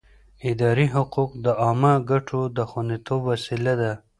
اداري حقوق د عامه ګټو د خوندیتوب وسیله ده.